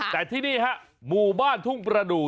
แต่ที่นี่ฮะหมู่บ้านทุ่งประดูก